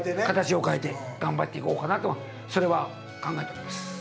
形を変えて頑張っていこうかなとそれは考えております。